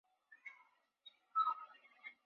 当时任弼时被指定为苏区中央局成员之一。